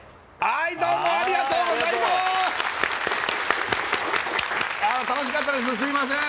はいどうもありがとうございますすいません